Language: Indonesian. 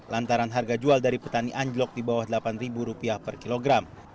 lantaran harga jual dari petani anjlok di bawah rp delapan per kilogram